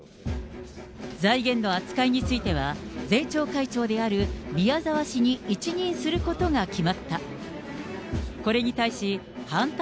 財源の扱いについては、税調会長である宮沢氏に一任することが決まった。